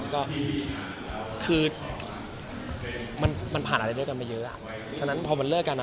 ก็คือมันมันผ่านอะไรด้วยกันมาเยอะฉะนั้นพอมันเลิกกัน